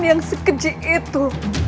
yang sekeji itu